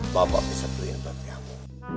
bapak bisa beliin buat kamu